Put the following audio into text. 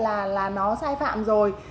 là nó sai phạm rồi